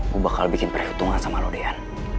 gue bakal bikin perhitungan sama lo dian